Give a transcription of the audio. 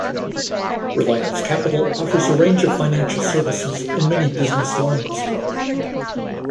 Reliance Capital offers a range of financial services in many business lines.